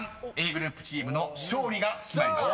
ｇｒｏｕｐチームの勝利が決まります］